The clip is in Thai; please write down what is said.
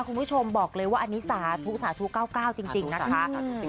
คุณผู้ชมบอกเลยว่าอันนี้สาธุสาธุเก้าเก้าจริงจริงนะคะสาธุจริงจริง